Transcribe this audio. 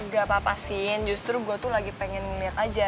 gapapa sin justru gue tuh lagi pengen ngeliat aja